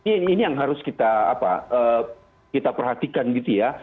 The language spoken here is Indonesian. ini yang harus kita perhatikan gitu ya